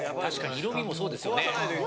色味もそうですよね。